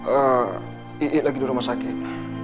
eh ii lagi di rumah sakit